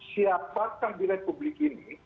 siapa kan di republik ini